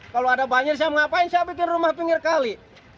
kalau ada banjir saya ngapain saya bikin rumah pinggir kali